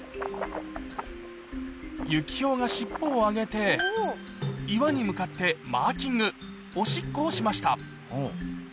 ユキヒョウが尻尾を上げて、岩に向かってマーキング、おしっこをしました。